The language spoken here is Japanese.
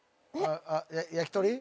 焼き鳥？